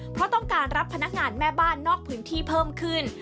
เพราะต้องการรับพนักงานแม่บ้านนอกพื้นที่เพิ่มขึ้น